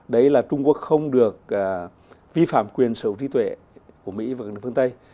đấy là trung quốc không được vi phạm quyền sở thí tuệ của mỹ và các nước phương tây